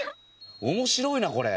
面白いなこれ。